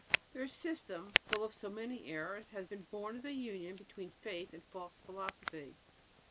Their system, full of so many errors, has been born of the union between faith and false philosophy."